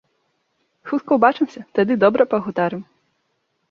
Хутка ўбачымся, тады добра пагутарым.